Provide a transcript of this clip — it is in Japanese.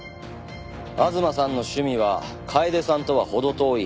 吾妻さんの趣味は楓さんとは程遠い。